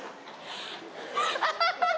アハハハハ！